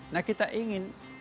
nah kita ingin